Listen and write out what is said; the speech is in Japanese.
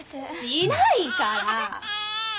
しないから。